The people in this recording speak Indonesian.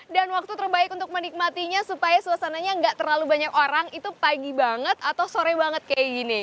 dan waktu terbaik untuk menikmatinya supaya suasananya nggak terlalu banyak orang itu pagi banget atau sore banget kayak gini